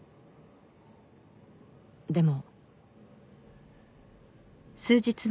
「でも」